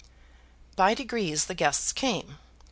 By degrees the guests came.